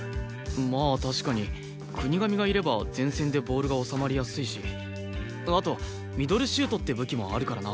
まあ確かに國神がいれば前線でボールが収まりやすいしあとミドルシュートって武器もあるからな。